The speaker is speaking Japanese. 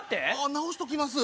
直しときます。